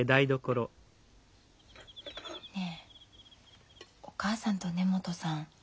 ねえお母さんと根本さん